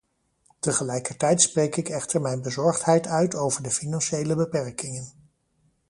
Tegelijkertijd spreek ik echter mijn bezorgdheid uit over de financiële beperkingen.